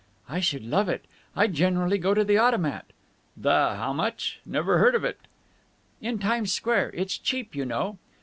"I should love it. I generally go to the Automat." "The how much? Never heard of it." "In Times Square. It's cheap, you know."